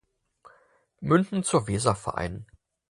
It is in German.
Münden zur Weser vereinen.